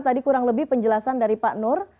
tadi kurang lebih penjelasan dari pak nur